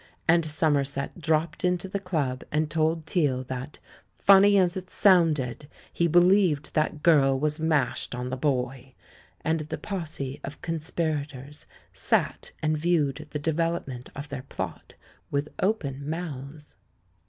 And Somerset dropped into the Club and told Teale that, "funny as it sounded, he believed that girl was mashed on the boy" ; and the posse of conspirators sat and viewed the development of their plot with open mouths.